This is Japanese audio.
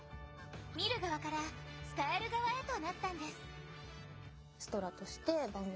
見る側から伝える側へとなったんです